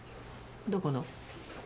どこの？